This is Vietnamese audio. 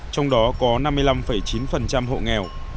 trong đó có năm mươi năm chín hộ nghèo